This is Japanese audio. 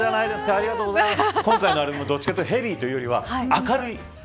ありがとうございます。